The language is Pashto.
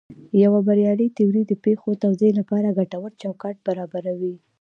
یوه بریالۍ تیوري د پېښو توضیح لپاره ګټور چوکاټ برابروي.